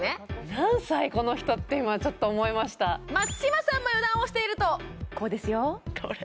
何歳この人？って今ちょっと思いました松嶋さんも油断をしているとこうですよどれ？